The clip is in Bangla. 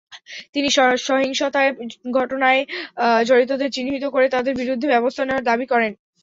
তিনি সহিংসতার ঘটনায় জড়িতদের চিহ্নিত করে তাদের বিরুদ্ধে ব্যবস্থা নেওয়ার দাবি করেন।